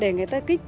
để người ta kích run